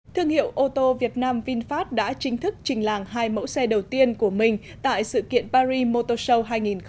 thương hiệu ô tô việt nam vinfast đã chính thức trình làng hai mẫu xe đầu tiên của mình tại sự kiện paris motor show hai nghìn hai mươi